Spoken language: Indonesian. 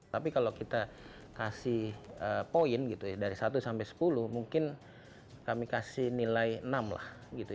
tapi kalau kita kasih poin gitu ya dari satu sampai sepuluh mungkin kami kasih nilai enam lah gitu